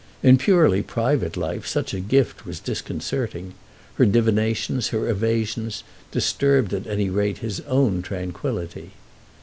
In purely private life such a gift was disconcerting; her divinations, her evasions disturbed at any rate his own tranquillity.